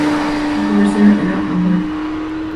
Su cabecera era Angol.